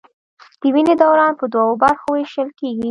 د وینې دوران په دوو برخو ویشل کېږي.